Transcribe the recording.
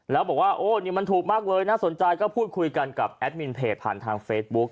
แล้วบอกว่าโอ้นี่มันถูกมากเลยน่าสนใจก็พูดคุยกันกับแอดมินเพจผ่านทางเฟซบุ๊ค